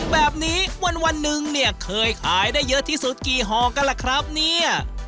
แบบนี้วันหนึ่งเนี่ยเคยขายได้เยอะที่สุดกี่ห่อกันล่ะครับเนี่ย